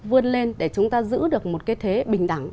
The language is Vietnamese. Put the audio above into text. vươn lên để chúng ta giữ được một cái thế bình đẳng